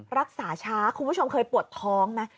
รักษาช้าคุณผู้ชมเคยปวดท้องไหม